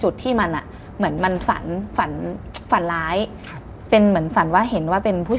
ดึกแหละ